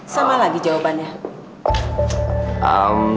sama lagi jawabannya